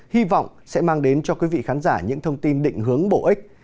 hy vọng sẽ mang đến cho quý vị khán giả những thông tin định hướng bổ ích